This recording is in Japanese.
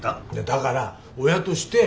だから親として。